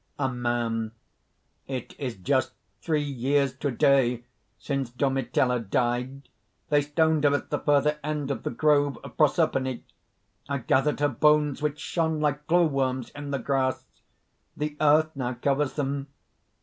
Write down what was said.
A MAN. "It is just three years to day since Domitilla died. They stoned her at the further end of the Grove of Proserpine. I gathered her bones, which shone like glowworms in the grass. The earth how covers them."